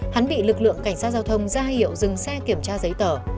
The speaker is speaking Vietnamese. hắn bị lực lượng cảnh sát giao thông ra hiệu dừng xe kiểm tra giấy tở